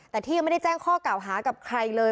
แต่ที่ยังไม่ได้แจ้งข้อกล่าวหากับใครเลย